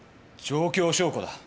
状況証拠だ。